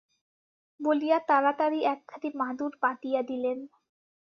বলিয়া তাড়াতাড়ি একখানি মাদুর পাতিয়া দিলেন।